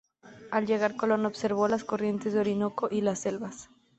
Al llegar, Colón observó las corrientes del Orinoco y las selvas.